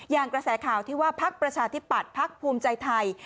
อย่างกระแสข่าวที่ว่าภักร์ประชาธิบัติภักร์ภูมิใจไทย